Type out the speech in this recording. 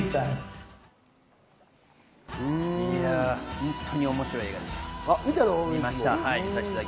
本当に面白い映画でした。